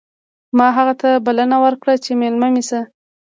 ما هغه ته بلنه ورکړه چې مېلمه مې شي